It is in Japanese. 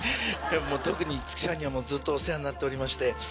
もう特に五木さんにはずっとお世話になっておりまして。